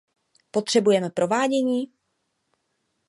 Potřebujeme provádění?